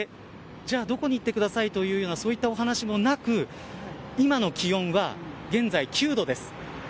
じゃあ、どこに行ってくださいというようなお話もなく今の気温は現在９度です。